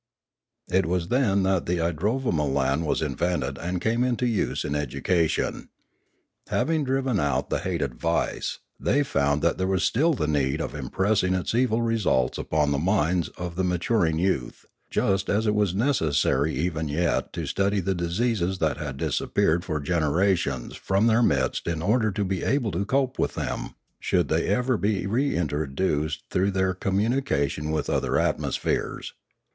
It was then that the idrovamolan was invented and came into use in education. Having driven out the hated vice, they found that there was still the need of impressing its evil results upon the minds of the matur ing youth, just as it was necessary even yet to study the diseases that had disappeared for generations from their midst in order to be able to cope with them, should they ever be reintroduced through their com munication with other atmospheres.